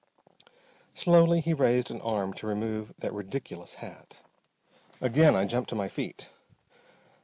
Slowly he raised an arm to remove that ridiculous hat. Again I jumped to my feet.